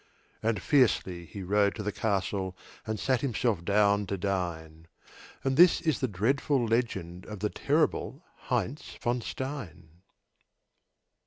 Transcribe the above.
And fiercely he rode to the castle And sat himself down to dine; And this is the dreadful legend Of the terrible Heinz von Stein.